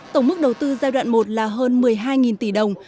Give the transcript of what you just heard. tổng mức đầu tư giai đoạn một là hơn một mươi hai tỷ đồng